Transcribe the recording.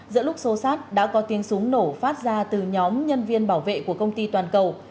giữa lúc xô sát đã có tiếng súng nổ phát ra từ nhóm nhân viên bảo vệ của công ty toàn cầu